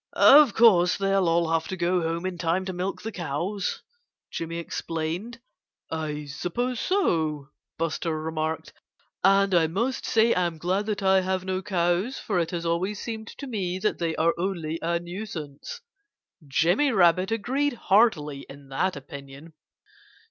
Of course they'll all have to go home in time to milk the cows," Jimmy explained. "I suppose so," Buster remarked. "And I must say I'm glad that I have no cows, for it has always seemed to me that they are only a nuisance." Jimmy Rabbit agreed heartily in that opinion.